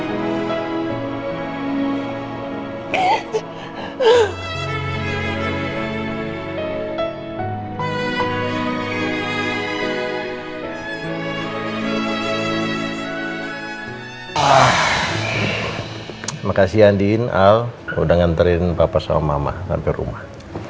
terima kasih andien al udah nganterin papa sama mama sampai rumah